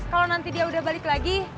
kalau nanti dia udah balik lagi